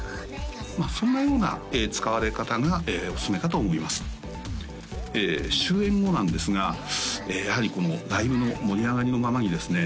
まあそんなような使われ方がおすすめかと思います終演後なんですがやはりライブの盛り上がりのままにですね